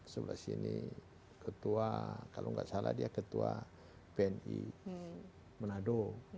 sebelah sini ketua kalau nggak salah dia ketua bni menado